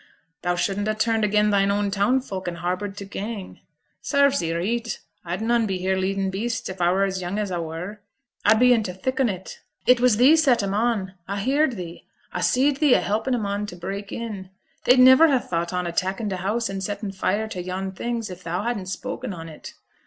thou shouldn't ha' turned again' thine own town folks, and harboured t' gang. Sarves thee reet. A'd noane be here leadin' beasts if a were as young as a were; a'd be in t' thick on it.' 'It was thee set 'm on a heerd thee a see'd thee a helping on 'em t' break in; they'd niver ha' thought on attackin' t' house, and settin' fire to yon things, if thou hadn't spoken on it.'